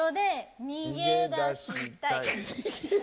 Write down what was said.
「逃げ出したい」。